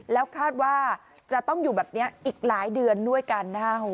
แล้วคาดว่าจะต้องอยู่แบบนี้อีกหลายเดือนด้วยกันนะครับ